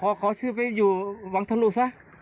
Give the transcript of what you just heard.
ขอขอชื่อไปอยู่วังทะลุซะ